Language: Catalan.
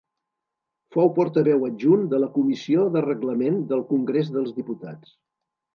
Fou portaveu adjunt de la Comissió de Reglament del Congrés dels Diputats.